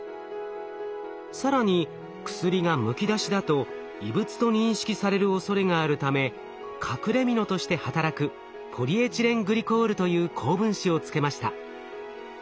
更に薬がむき出しだと異物と認識されるおそれがあるため隠れみのとして働くポリエチレングリコールという高分子をつけました。